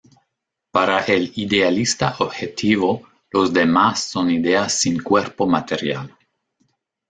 Para el idealista objetivo los demás son ideas sin cuerpo material.